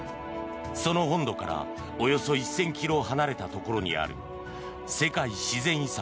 その本土からおよそ１０００ｋｍ離れたところにある世界自然遺産